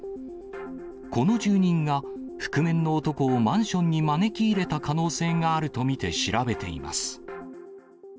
この住人が覆面の男をマンションに招き入れた可能性があると見て調べています。